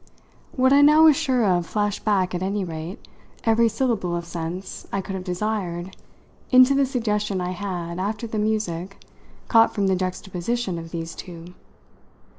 What I now was sure of flashed back, at any rate, every syllable of sense I could have desired into the suggestion I had, after the music, caught from the juxtaposition of these two.